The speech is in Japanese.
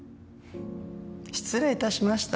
失礼致しました。